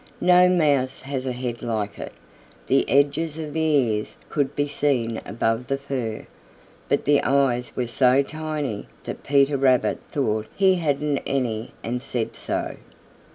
No Mouse has a head like it. The edges of the ears could be seen above the fur, but the eyes were so tiny that Peter Rabbit thought he hadn't any and said so.